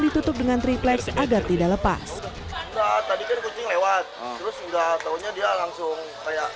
ditutup dengan triplex agar tidak lepas tadi kan kucing lewat terus enggak taunya dia langsung kayak